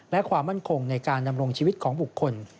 และความมั่นคงในการดำรงชีวิตของบุคคล